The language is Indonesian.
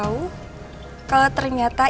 rekan bisnis kamu ya ah